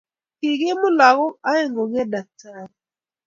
Kikimut lagok oeng koger daktarinte